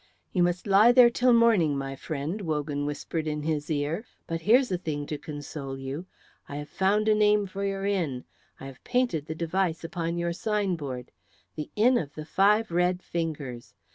"You must lie there till morning, my friend," Wogan whispered in his ear, "but here's a thing to console you. I have found a name for your inn; I have painted the device upon your sign board. The 'Inn of the Five Red Fingers.'